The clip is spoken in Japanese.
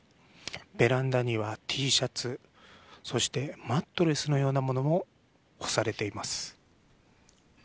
ベランダにはＴシャツそしてマットレスのようなものも干されています。